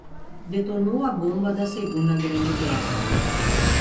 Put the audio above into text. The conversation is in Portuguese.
Detonou a bomba da Segunda Grande Guerra